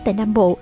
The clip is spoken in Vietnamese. tại nam bộ